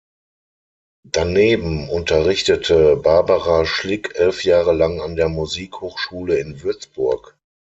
Daneben unterrichtete Barbara Schlick elf Jahre lang an der Musikhochschule in Würzburg.